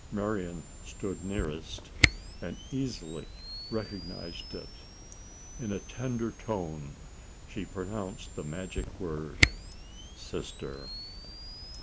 Marian stood nearest, and easily recognised it. In a tender tone she pronounced the magic word: "Sister!"